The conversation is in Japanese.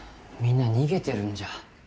みんな逃げてるんじゃ。